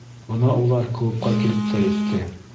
Бына улар клубҡа килеп тә етте.